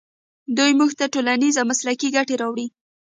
دوی موږ ته ټولنیزې او مسلکي ګټې راوړي.